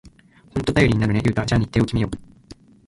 ほんと頼りになるね、ユウタ。じゃあ日程を決めよう！